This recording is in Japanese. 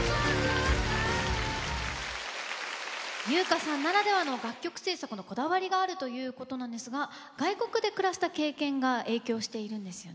由薫さんならではの楽曲制作のこだわりがあるということなんですが外国で暮らした経験が影響しているんですよね？